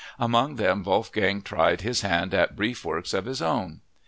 Among them Wolfgang tried his hand at brief works of his own.